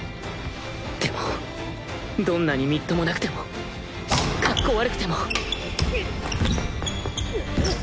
でもどんなにみっともなくてもかっこ悪くても